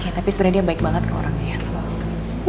ya tapi sebenernya dia baik banget ke orangnya